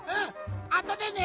あとでね！